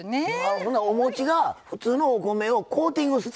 ほんならおもちが普通のお米をコーティングして。